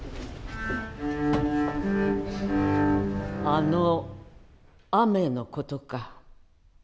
「あの雨のことか」。